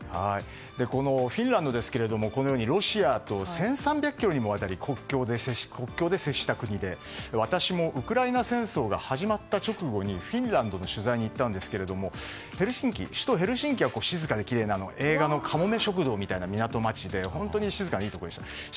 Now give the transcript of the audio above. このフィンランドですけれどもこのようにロシアと１３００ｋｍにわたり国境で接した国で私もウクライナ戦争が始まった直後にフィンランドに取材に行ったんですけれども首都ヘルシンキは静かできれいな映画の「かもめ食堂」のような港町で静かでいいところでした。